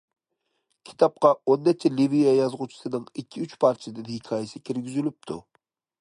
كىتابقا ئون نەچچە لىۋىيە يازغۇچىسىنىڭ ئىككى- ئۈچ پارچىدىن ھېكايىسى كىرگۈزۈلۈپتۇ.